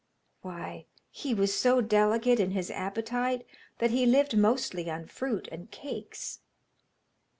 Why he was so delicate in his appetite that he lived mostly on fruit and cakes.